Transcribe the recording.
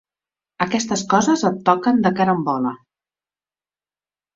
Aquestes coses et toquen de carambola.